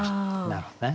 なるほどね。